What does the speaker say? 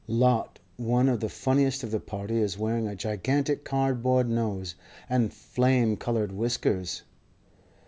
Lo! one of the funniest of the party is wearing a gigantic cardboard nose and flame coloured whiskers.